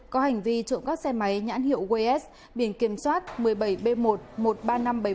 có hành vi trộm các xe máy nhãn hiệu was biển kiểm soát một mươi bảy b một một mươi ba nghìn năm trăm bảy mươi bảy